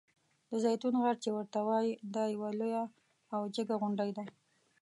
د زیتون غر چې ورته وایي دا یوه لویه او جګه غونډۍ ده.